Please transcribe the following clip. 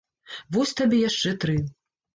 Вось табе яшчэ тры!